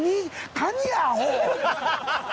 「カニやアホ！」。